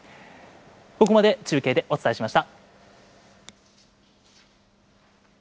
ここまで中継でお伝えしました。